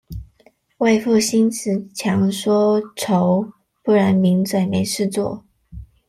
為賦新辭強說愁，不然名嘴沒事做